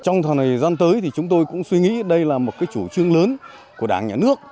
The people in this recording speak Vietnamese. trong thời gian tới thì chúng tôi cũng suy nghĩ đây là một chủ trương lớn của đảng nhà nước